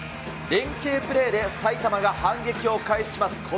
連係プレーで埼玉が反撃を開始します。